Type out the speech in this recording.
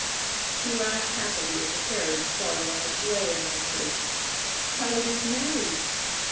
She laughed happily as the carriage started on its way, and answered, "Why, it is Mary!"